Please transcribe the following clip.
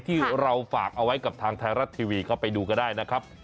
ที่เราฝากเอาไว้กับทางไทยรัฐทีวีก็ไปดูก็ได้นะครับ